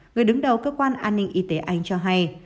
người đứng đầu cơ quan an ninh y tế anh cho hay